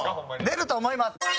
出ると思います。